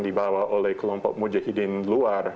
dibawa oleh kelompok mujahidin luar